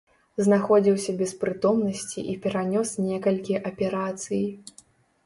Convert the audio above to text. Знаходзіўся без прытомнасці і перанёс некалькі аперацый.